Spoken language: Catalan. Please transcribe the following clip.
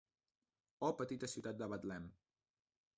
Oh petita ciutat de Betlem.